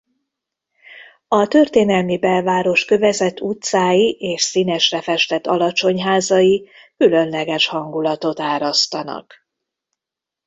A történelmi belváros kövezett utcái és színesre festett alacsony házai különleges hangulatot árasztanak.